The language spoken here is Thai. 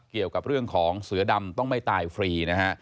เกี่ยวกับเรื่องของเสือดำต้องไม่ตายฟรีนะฮะ